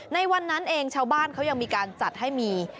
ในวันนั้นเองชาวบ้านเขายังมีการจัดให้มี